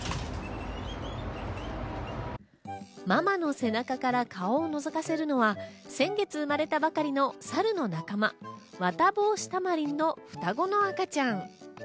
ママの背中から顔をのぞかせるのは先月生まれたばかりのサルの仲間、ワタボウシタマリンの双子の赤ちゃん。